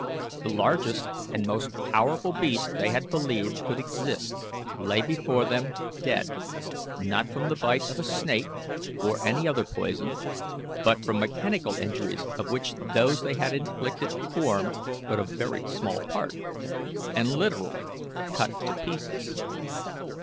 The largest and most powerful beast they had believed could exist lay before them dead, not from the bite of a snake or any other poison, but from mechanical injuries of which those they had inflicted formed but a very small part, and literally cut to pieces.